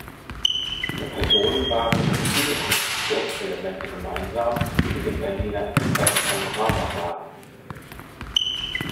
Der Personenwagen hat viele Konstruktionselemente gemeinsam mit den Bernina-Express Panoramawagen.